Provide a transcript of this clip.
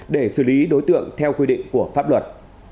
để xử lý đối tượng theo quy định của pháp luật